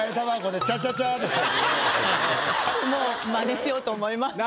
もうまねしようと思います。